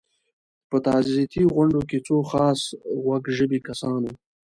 په تعزیتي غونډو کې څو خاص غوړ ژبي کسان وو.